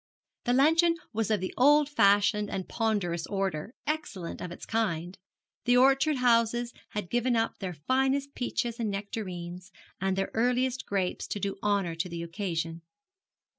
The luncheon was of the old fashioned and ponderous order, excellent of its kind: the orchard houses had given up their finest peaches and nectarines and their earliest grapes to do honour to the occasion.